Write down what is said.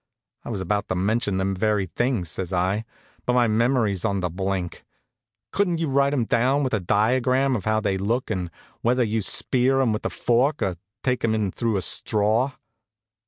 "I was about to mention them very things," says I. "But my memory's on the blink. Couldn't you write 'em down, with a diagram of how they look, and whether you spear 'em with a fork, or take 'em in through a straw?"